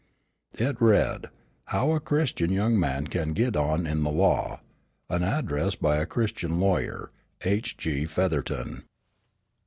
It read, "'How a Christian young man can get on in the law' an address by a Christian lawyer H.G. Featherton."